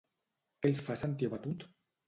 Què el fa sentir abatut?